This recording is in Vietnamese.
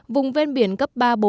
vùng ven biển cấp ba bốn